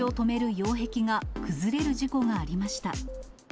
擁壁が崩れる事故がありました。